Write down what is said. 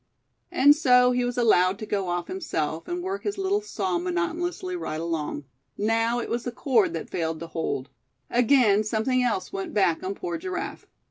And so he was allowed to go off himself, and work his little saw monotonously right along. Now it was the cord that failed to hold; again something else went back on poor Giraffe.